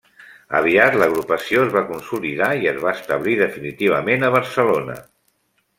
Aviat l'agrupació es va consolidar i es va establir definitivament a Barcelona.